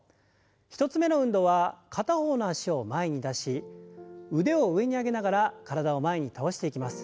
１つ目の運動は片方の脚を前に出し腕を上に上げながら体を前に倒していきます。